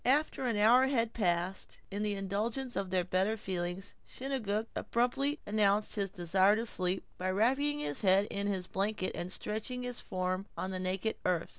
After an hour had passed in the indulgence of their better feelings, Chingachgook abruptly announced his desire to sleep, by wrapping his head in his blanket and stretching his form on the naked earth.